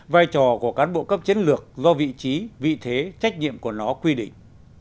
vai trò của cán bộ cấp chiến lược do vị trí vị thế trách nhiệm của nó quy định